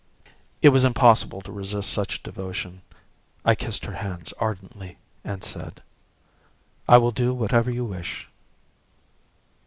It was impossible to resist such devotion. I kissed her hands ardently, and said: "I will do whatever you wish."